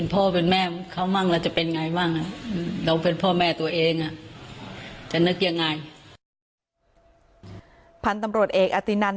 พันธุ์ตำรวจเอกอตินัน